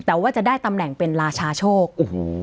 แต่ว่าจะได้ตำแหน่งเป็นราชาโชค